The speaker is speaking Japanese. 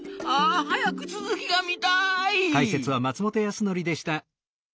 早く続きが見たい！